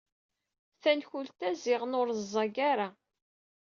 Tankult-a ziɣen ur ẓẓag ara.